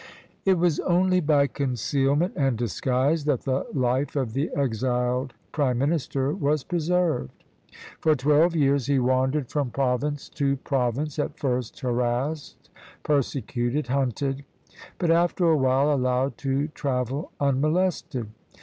It was only by concealment and disguise that the life of the exiled prime minister was preserved. For twelve years he wandered from province to province, at first harassed, persecuted, hunted, but after a while allowed to travel unmolested.